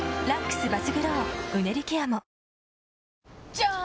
じゃーん！